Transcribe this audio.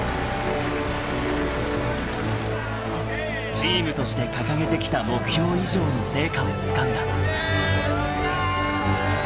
［チームとして掲げてきた目標以上の成果をつかんだ］